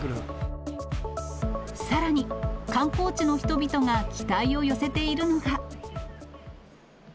さらに、観光地の人々が期待を寄せているのが。